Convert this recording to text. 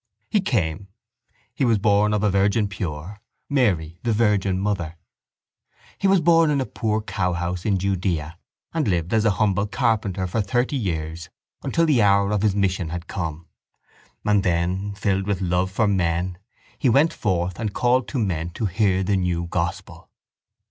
—He came. He was born of a virgin pure, Mary the virgin mother. He was born in a poor cowhouse in Judea and lived as a humble carpenter for thirty years until the hour of His mission had come. And then, filled with love for men, He went forth and called to men to hear the new gospel.